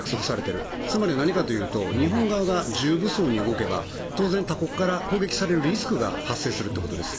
つまり、何かというと日本側が重武装に動けば当然他国から攻撃されるリスクが発生するということです。